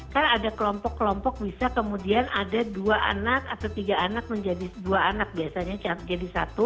kan ada kelompok kelompok bisa kemudian ada dua anak atau tiga anak menjadi dua anak biasanya jadi satu